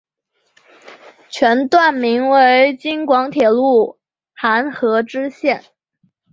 全段名为京广铁路邯和支线。